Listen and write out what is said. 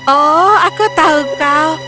oh aku tahu kau